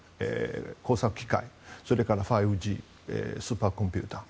工作機械、それから５Ｇスーパーコンピューター。